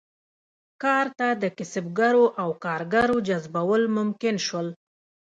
کار ته د کسبګرو او کارګرو جذبول ممکن شول.